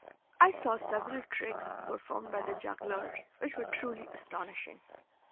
I saw several tricks performed by the jugglers which were truly astonishing.